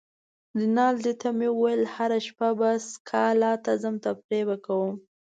رینالډي ته مې وویل: هره شپه به سکالا ته ځم، تفریح به کوم.